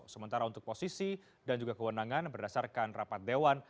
sementara untuk posisi dan juga kewenangan berdasarkan rapat dewan